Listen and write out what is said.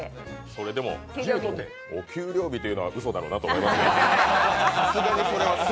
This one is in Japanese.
それでもお給料日というのはうそだろうなと思います。